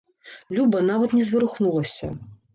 Люба нават не зварухнулася.